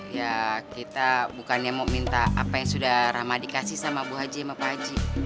ya kita bukannya mau minta apa yang sudah rama dikasih sama bu haji sama pak haji